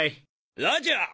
ラジャー！